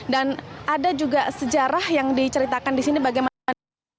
dan ada juga sejarah yang diceritakan di sini bagaimana